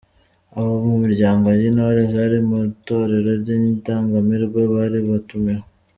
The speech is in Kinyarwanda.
Abo mu miryango y'Intore zari mu Itorero ry'Indangamirwa bari batumiwe.